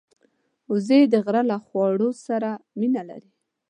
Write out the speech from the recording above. وزې د غره له خواړو سره مینه لري